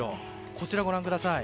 こちら、ご覧ください。